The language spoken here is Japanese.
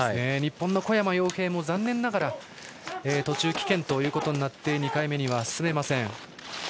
日本の小山陽平も残念ながら途中棄権となって２回目には進めません。